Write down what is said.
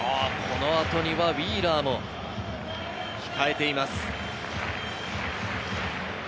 この後にはウィーラーも控えています。